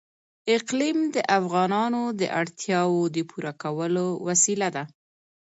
اقلیم د افغانانو د اړتیاوو د پوره کولو وسیله ده.